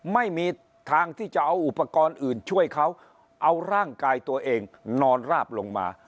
ไม่มีทางที่จะเอาอุปกรณ์อื่นช่วยเขาเอาร่างกายตัวเองนอนราบลงมา